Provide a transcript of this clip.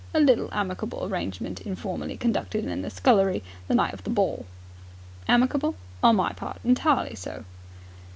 A little amicable arrangement informally conducted in the scullery on the night of the ball." "Amicable?" "On my part, entirely so."